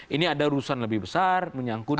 ini ada urusan lebih besar menyangkut